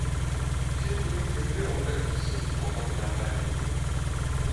Чи түүнийг тэнгэрийн умдаг атгасан гэж бодоод байгаа юм уу?